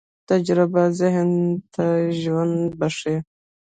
تجربه ذهن ته ژوند بښي.